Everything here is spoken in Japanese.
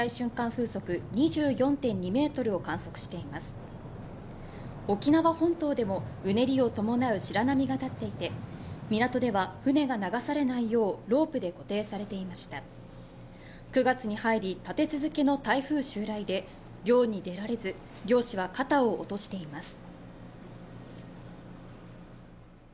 風速２４．２メートルを観測しています沖縄本島でもうねりを伴う白波が立っていて港では船が流されないようロープで固定されていました９月に入り立て続けの台風襲来で漁に出られず漁師は肩を落としています